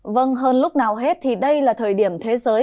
vâng hơn lúc nào hết thì đây là thời điểm thế giới